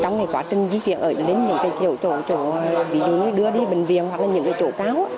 trong cái quá trình di chuyển ở đến những cái chỗ ví dụ như đưa đi bệnh viện hoặc là những cái chỗ cáo